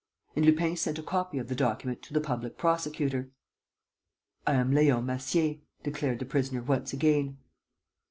And Lupin sent a copy of the document to the public prosecutor. "I am Leon Massier," declared the prisoner, once again.